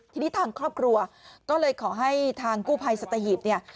ทีนี้ทางครอบครัวก็เลยขอให้ทางกู้ภัยสัตหีบเนี่ย